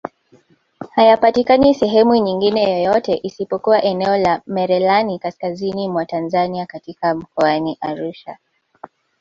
Hayapatikani sehemu nyingine yoyote isipokuwa eneo la Merelani Kaskazini mwa Tanzania katika mkoani Arusha